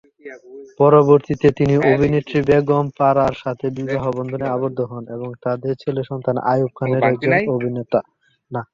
পরবর্তী তিনি অভিনেত্রী বেগম পারার সাথে বিবাহ বন্ধনে আবদ্ধ হন এবং তাদের ছেলে সন্তান আইয়ুব খান একজন অভিনেতা।